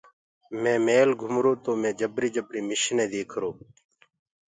مي ميٚل گهمرو تو مي جبري جبري مشني ديکرو۔